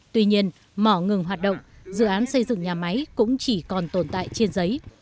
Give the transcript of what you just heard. tuy nhiên mỏ ngừng hoạt động dự án xây dựng nhà máy cũng chỉ còn tồn tại trên giấy